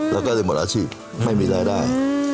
เราก็ได้หมดอาชิบไม่มีรายได้